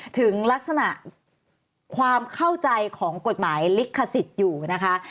ถึงลักษณะความเข้าใจของกฎหมายลิขสิทธิ์อยู่นะคะ